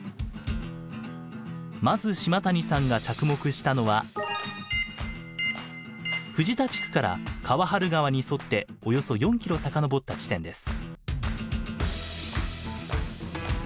まず島谷さんが着目したのは藤田地区から河原川に沿っておよそ４ｋｍ遡った地点です。